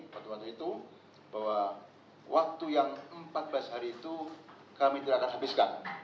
pada waktu itu bahwa waktu yang empat belas hari itu kami tidak akan habiskan